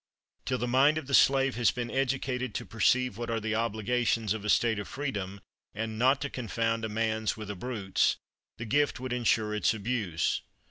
Till the mind of the slave has been educated to perceive what are the obligations of a state of freedom, and not to confound a man's with a brute's, the gift would insure its abuse.